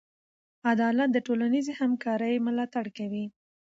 عدالت د ټولنیز همکارۍ ملاتړ کوي.